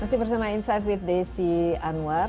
masih bersama insight with desi anwar